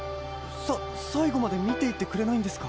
さっさいごまでみていってくれないんですか？